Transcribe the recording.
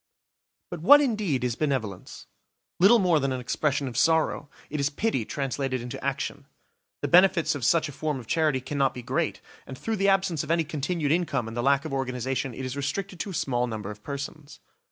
But what indeed is benevolence? Little more than an expression of sorrow; it is pity translated into action. The benefits of such a form of charity cannot be great, and through the absence of any continued income and the lack of organisation it is restricted to a small number of persons.